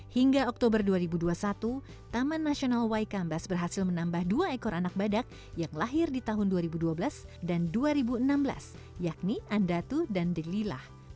hingga oktober dua ribu dua puluh satu taman nasional waikambas berhasil menambah dua ekor anak badak yang lahir di tahun dua ribu dua belas dan dua ribu enam belas yakni andatu dan delila